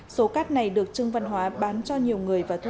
số cát này được trương văn hóa bán cho nhiều người và thuê